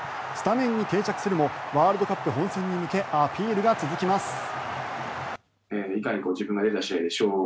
スタメンに定着するもワールドカップ本戦に向けアピールが続きます。